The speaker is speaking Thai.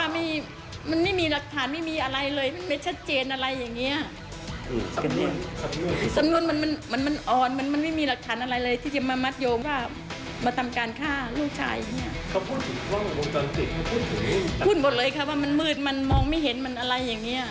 มันมองไม่เห็นมันอะไรอย่างเนี้ยฆ่านั่นแหละแต่นี่ความเป็นจริงที่เราคิดมันเป็นยังไงครับแม่